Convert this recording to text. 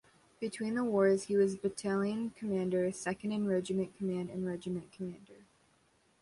Between the wars he was battalion commander, second in regiment command and regiment commander.